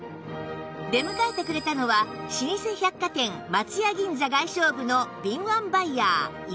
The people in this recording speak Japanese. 出迎えてくれたのは老舗百貨店松屋銀座外商部の敏腕バイヤー岩田さん